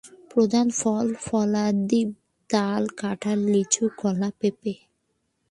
প্রধান ফল-ফলাদিব তাল, কাঁঠাল, লিচু, কলা, পেঁপে।